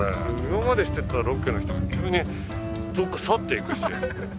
今までしてたロケの人が急にどっか去っていくし。